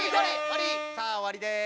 さあおわりです。